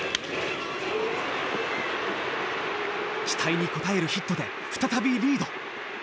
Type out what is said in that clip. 期待に応えるヒットで再びリード。